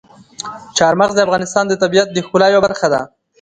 چار مغز د افغانستان د طبیعت د ښکلا یوه برخه ده.